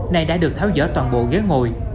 nay đã được tháo dỡ toàn bộ ghế ngồi